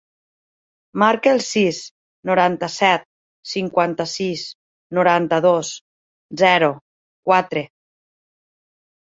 Marca el sis, noranta-set, cinquanta-sis, noranta-dos, zero, quatre.